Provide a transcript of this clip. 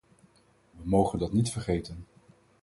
We mogen dat niet vergeten.